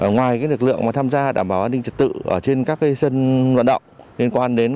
ngoài lực lượng tham gia đảm bảo an ninh trật tự trên các sân vận động liên quan đến